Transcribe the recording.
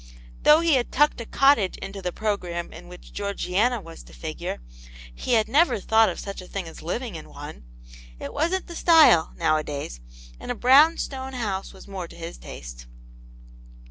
Though he had tucked a cottage into the programme in which Georgiana was to figure, he had nevei* thought of such a thing as living in one ; it wasn't the style, nowadays, and a brown stone house was more to his taste.